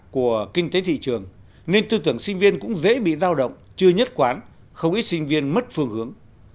của kinh tế thị trường nên tư tưởng sinh viên cũng dễ bị giao động chưa nhất quán không ít sinh viên mất phương hướng